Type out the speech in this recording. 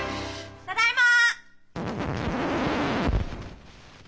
ただいま！